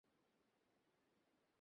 তাহারা ভাল কিছুই করে না, করিতে পারে না।